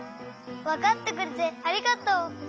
わかってくれてありがとう！